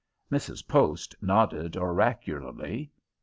Mrs. Post nodded oracularly.